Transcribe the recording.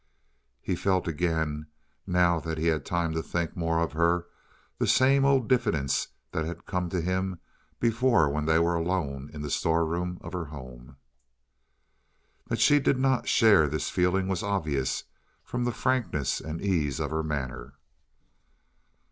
He felt again, now that he had time to think more of her, that same old diffidence that had come to him before when they were alone in the storeroom of her home. That she did not share this feeling was obvious from the frankness and ease of her manner.